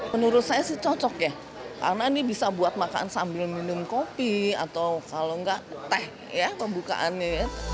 menurut saya sih cocok ya karena ini bisa buat makan sambil minum kopi atau kalau enggak teh ya pembukaannya